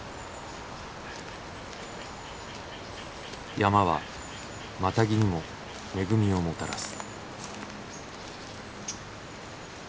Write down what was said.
山はマタギにも恵みをもたらす。